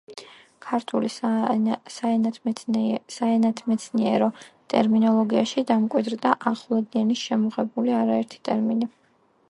ქართული საენათმეცნიერო ტერმინოლოგიაში დამკვიდრდა ახვლედიანის შემოღებული არაერთი ტერმინი.